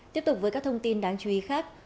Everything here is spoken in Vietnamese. tiếp tục với các thông tin đáng chú ý khác